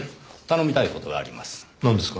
頼みたい事があります。